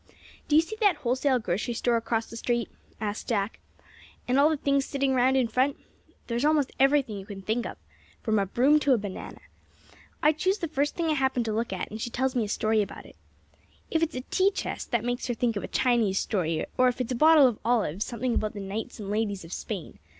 "Do you see that wholesale grocery store across the street?" asked Jack, "and all the things sitting around in front? There's almost everything you can think of, from a broom to a banana. I choose the first thing I happen to look at, and she tells me a story about it. If it's a tea chest, that makes her think of a Chinese story; or if it's a bottle of olives, something about the knights and ladies of Spain.